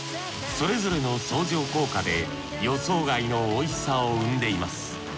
それぞれの相乗効果で予想外のおいしさを生んでいます。